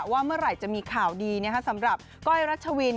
ว่าเมื่อไหร่จะมีข่าวดีสำหรับก้อยรัชวิน